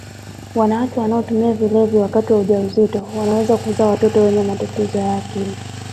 wanawake wanaotumia vilevi wakati wa ujauzito wanaweza kuzaa watoto wenye matatizo ya akili